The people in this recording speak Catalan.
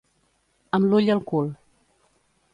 Amb l'ull al cul.